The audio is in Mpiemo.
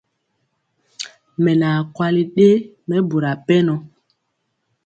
Mɛ naa kwali ɗe mɛbura pɛnɔ.